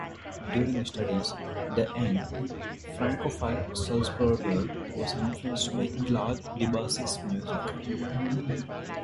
During his studies, the young francophile Sulzberger was influenced by Claude Debussy's music.